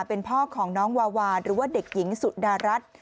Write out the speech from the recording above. เป็นพ่อของน้องวาวาหรือว่าเด็กหญิงสุดารัฐ